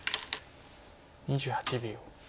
２８秒。